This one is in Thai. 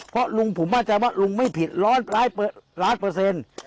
เพราะลุงผมมั่นใจว่าลุงไม่ผิดร้อยล้านเปอร์เซ็นต์